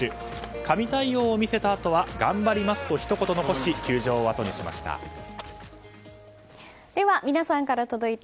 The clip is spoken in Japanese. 神対応を見せたあとは頑張りますと、ひと言残し球場を後にしました。